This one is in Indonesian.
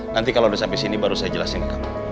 nanti kalau udah sampai sini baru saya jelasin